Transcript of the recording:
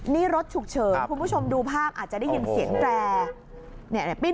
นี่รถฉุกเฉินคุณผู้ชมดูภาพอาจจะได้ยินเสียงแตร